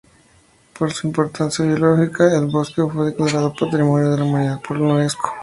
Por su importancia biológica, el bosque fue declarado Patrimonio de la Humanidad por Unesco.